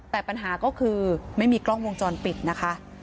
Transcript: แต่ปัญหาก็คือไม่มีกล้องวงจรปิดนะคะ